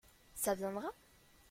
Ça viendra ?